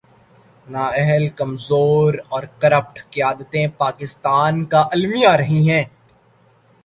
نا اہل‘ کمزور اور کرپٹ قیادتیں پاکستان کا المیہ رہی ہیں۔